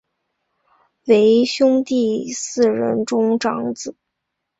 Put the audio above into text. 为兄弟四人中长子。